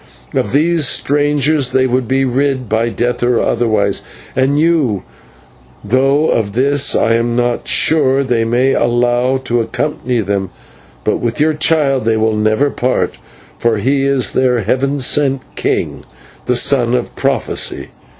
Of these strangers they would be rid by death or otherwise, and you though of this I am not sure they may allow to accompany them; but with your child they will never part, for he is their heaven sent king, the Son of prophecy.